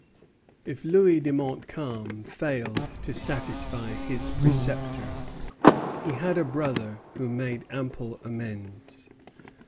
If Louis de Montcalm failed to satisfy his preceptor, he had a brother who made ample amends.